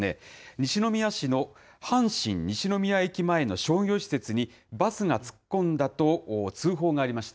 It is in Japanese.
西宮市の阪神西宮駅前の商業施設に、バスが突っ込んだと通報がありました。